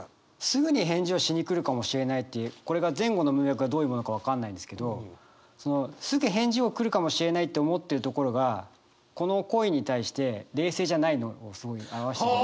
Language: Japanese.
「すぐに返事をしにくるかもしれない」っていうこれが前後の文脈がどういうものか分かんないんですけどすぐ返事を来るかもしれないって思ってるところがこの恋に対して冷静じゃないのをすごい表してる。